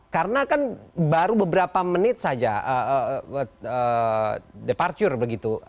karena kan baru beberapa menit saja departure